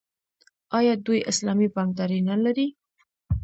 آیا دوی اسلامي بانکداري نلري؟